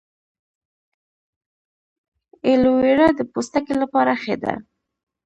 ایلوویرا د پوستکي لپاره ښه ده